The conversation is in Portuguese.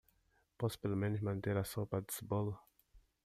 Posso pelo menos manter a sopa de cebola?